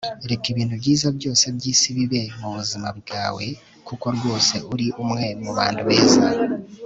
reka ibintu byiza byose byisi bibe mubuzima bwawe kuko rwose uri umwe mubantu beza